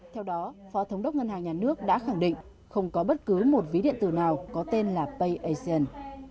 theo đó phó thống đốc ngân hàng nhà nước đã khẳng định không có bất cứ một ví điện tử nào có tên là payasian